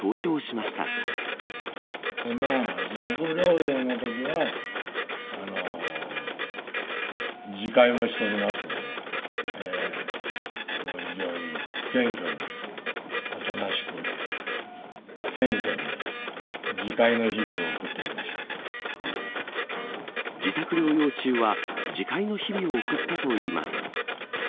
まあ、自宅療養のときは、自戒もしておりますので、非常に謙虚に、おとなしく、謙虚に、自戒の日々を送っており自宅療養中は、自戒の日々を送ったといいます。